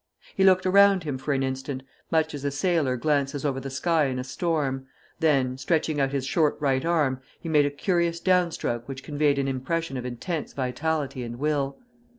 He looked around him for an instant, much as a sailor glances over the sky in a storm, then, stretching out his short right arm, he made a curious downstroke which conveyed an impression of intense vitality and will.